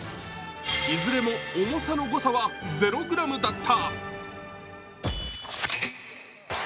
いずれも重さの誤差は０ｇだった。